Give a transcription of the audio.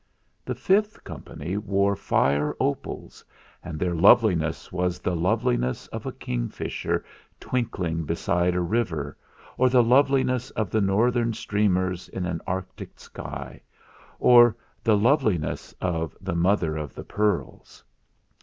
The fifth company wore fire opals, and their loveliness was the loveliness of a king fisher twinkling beside a river, or the loveliness of the northern streamers in an arctic sky, or the loveliness of the Mother of the Pearls.